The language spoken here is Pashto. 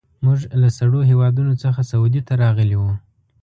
موږ له سړو هېوادونو څخه سعودي ته راغلي وو.